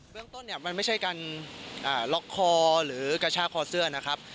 เรื่องต้นเนี่ยมันไม่ใช่การล็อกคอหรือกระชากคอเสื้อนะครับ